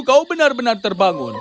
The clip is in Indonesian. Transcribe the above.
kau benar benar terbangun